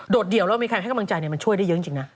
เดี่ยวแล้วมีใครให้กำลังใจมันช่วยได้เยอะจริงนะ